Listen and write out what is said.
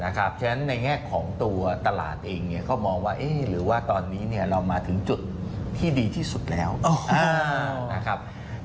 เพราะฉะนั้นในแง่ของตัวตลาดเองก็มองว่าหรือว่าตอนนี้เรามาถึงจุดที่ดีที่สุดแล้วนะครับ